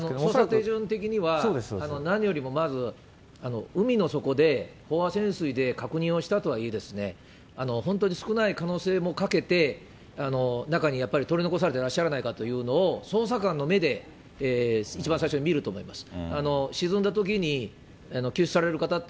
手順的には、何よりもまず、海の底で飽和潜水で確認をしたとはいえ、本当に少ない可能性もかけて、中にやっぱり、取り残されてらっしゃらないかということを捜査官の目で、一番最初に見ると思います。